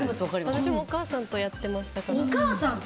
私もお母さんとやってます。